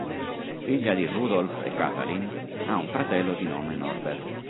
Figlia di Rudolf e Katalin, ha un fratello di nome Norbert.